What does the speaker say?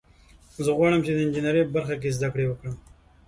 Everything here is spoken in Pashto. زه غواړم چې د انجینرۍ په برخه کې زده کړه وکړم